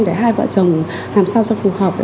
để hai vợ chồng làm sao cho phù hợp